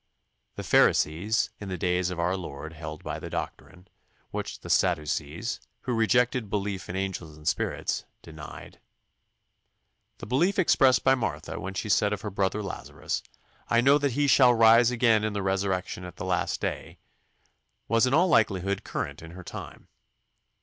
" The Pharisees in the days of our Lord held by the doctrine, which the Sadducees, who rejected belief in angels and spirits, denied. The belief expressed by Martha when she said of her brother Lazarus, "I know that he shall rise again in the resurrection at the last day," was in all likelihood current in her time.